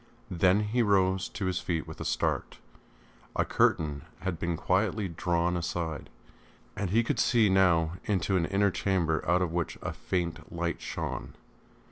Then he rose to his feet with a start. A curtain had been quietly drawn aside, and he could see now into an inner chamber out of which a faint light shone.